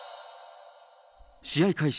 試合開始